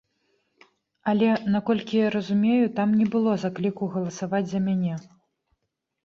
Але, наколькі я разумею, там не было закліку галасаваць за мяне.